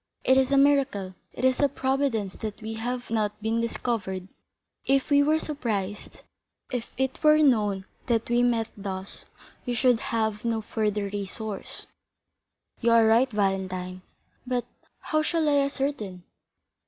It is a miracle, it is a providence that we have not been discovered. If we were surprised, if it were known that we met thus, we should have no further resource." "You are right, Valentine; but how shall I ascertain?"